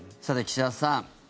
さて、岸田さん